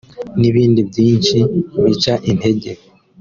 n’ibindi byinshi bica intege